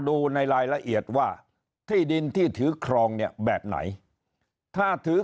ดูในรายละเอียดว่าที่ดินที่ถือครองเนี่ยแบบไหนถ้าถือ